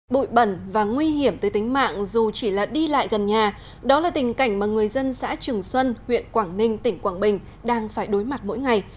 bụi bẩn và nguy hiểm tới tính mạng dù chỉ là đi lại gần nhà đó là tình cảnh mà người dân xã trường xuân huyện quảng ninh tỉnh quảng bình đang phải đối mặt mỗi ngày